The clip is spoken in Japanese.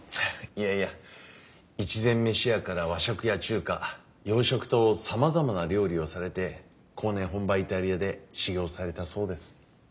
いやいや一膳飯屋から和食や中華洋食とさまざまな料理をされて後年本場イタリアで修業されたそうです。